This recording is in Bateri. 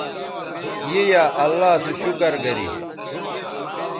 ی یا اللہ سو شکر گری